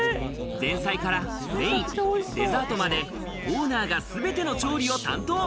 前菜から、メイン、デザートまでオーナーがすべての調理を担当。